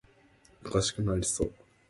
Their son, Isa Khan, was born in Sarail.